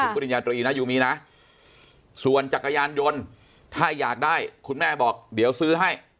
คุณยูมินะส่วนจักรยานยนต์ถ้าอยากได้คุณแม่บอกเดี๋ยวซื้อให้